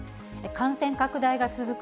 感染拡大が続く